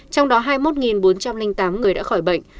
trong đó hai mươi một bốn trăm linh tám người đã khỏi bệnh